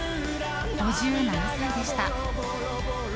５７歳でした。